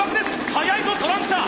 速いぞトランチャー！